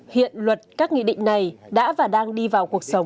hiện luật các nghị định này đã và đang đi vào cuộc sống